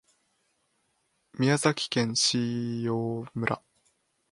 宮崎県椎葉村